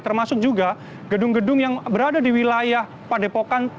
termasuk juga gedung gedung yang berada di wilayah padepokan